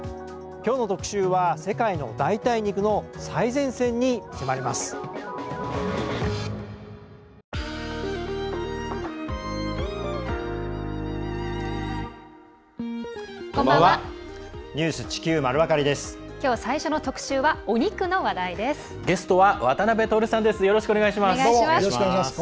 きょう最初の特集はお肉の話題です。